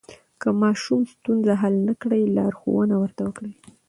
که ماشوم ستونزه حل نه کړي، لارښوونه ورته وکړئ.